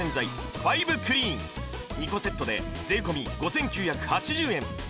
ファイブクリーン２個セットで税込５９８０円